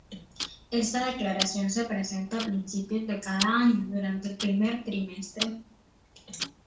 Esta declaración se presenta a principios de cada año, durante el primer trimestre.